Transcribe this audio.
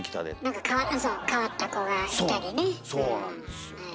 何か変わった子がいたりね。